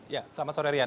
ya selamat sore rian